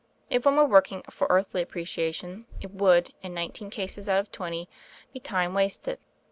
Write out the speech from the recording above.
If one were working for earthly appreciation it would, in nineteen cases out of twenty, be time wasted.